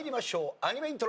アニメイントロ。